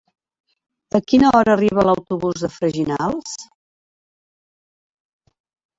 A quina hora arriba l'autobús de Freginals?